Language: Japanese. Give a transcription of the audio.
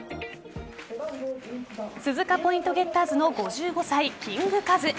鈴鹿ポイントゲッターズの５５歳キング・カズ。